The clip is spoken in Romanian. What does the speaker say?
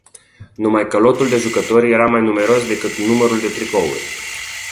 Numai că lotul de jucători era mai numeros decât numărul de tricouri.